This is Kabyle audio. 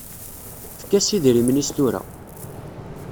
Efk-as idrimen-is tura.